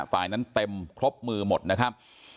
ฝ่ายนั้นเต็มครบมือหมดนะครับ